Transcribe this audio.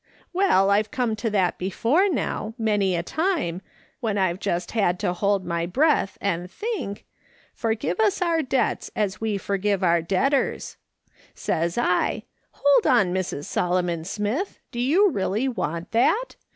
" Well, I've come to that before now, many a time, when I've just had to hold my breath and think :' Forgive us our debts as we forgive our debtors V Says I, ' Hold on, Mrs. Solomon Smitli, do you really want that